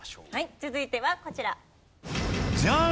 続いてはこちら。